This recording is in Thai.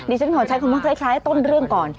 เดี๋ยวฉันขอใช้คำว่าไทยคลายให้ต้นเรื่องก่อน